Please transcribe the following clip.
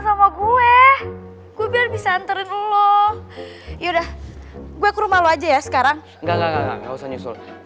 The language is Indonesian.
sama gue gue biar bisa antarin lo yaudah gue ke rumah lo aja ya sekarang enggak enggak usah nyusul